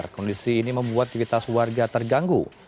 kondisi ini membuat kivitas warga terganggu